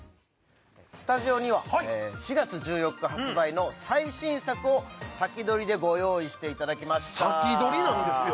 スタジオには４月１４日発売の最新作を先取りでご用意していただきました先取りなんですよ